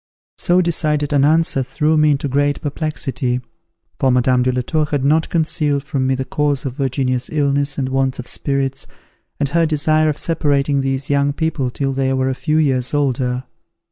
So decided an answer threw me into great perplexity, for Madame de la Tour had not concealed from me the cause of Virginia's illness and want of spirits, and her desire of separating these young people till they were a few years older.